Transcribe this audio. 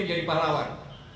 jadi para lawan